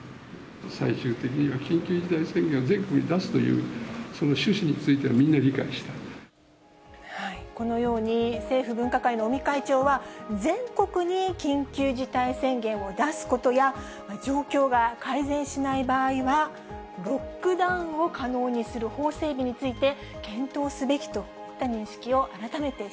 最終的には、緊急事態宣言を全国に出すという、その趣旨については、みんな理解このように、政府分科会の尾身会長は、全国に緊急事態宣言を出すことや、状況が改善しない場合は、ロックダウンを可能にする法整備について検討すべきといった認識